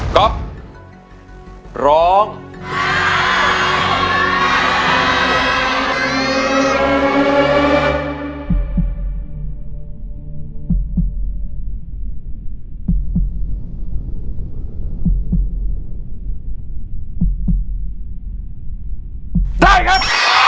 ก็ร้องได้ครับ